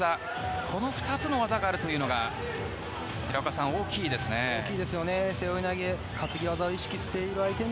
この２つの技があるというのが平岡さん、大きいですね。